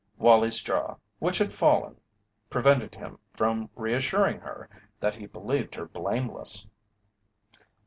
Wallie's jaw, which had fallen, prevented him from reassuring her that he believed her blameless.